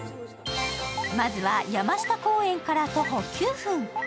まずは、山下公園から徒歩９分。